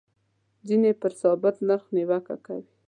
ځینې پر ثابت نرخ نیوکه کوي.